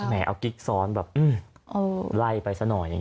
เอากิ๊กซ้อนแบบไล่ไปซะหน่อย